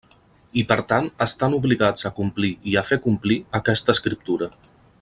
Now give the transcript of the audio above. I per tant estan obligats a complir i a fer complir aquesta escriptura.